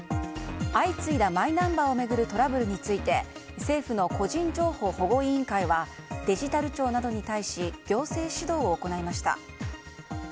相次いだ、マイナンバーを巡るトラブルについて政府の個人情報保護委員会はデジタル庁などに対し行政指導を行いました。